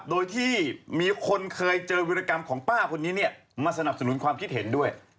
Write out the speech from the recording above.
โดยที่มีคนเคยเจอวิรกรรมของป้าคนนี้เนี่ยมาสนับสนุนความคิดเห็นด้วย